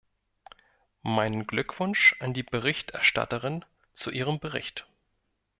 Meinen Glückwunsch an die Berichterstatterin zu ihrem Bericht.